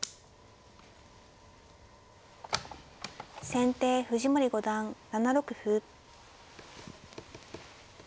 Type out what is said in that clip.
先手藤森五段７六歩。